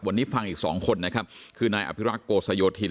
วันนี้ฟังอีกสองคนนะครับคือนายอภิรักษ์โกสโยธิน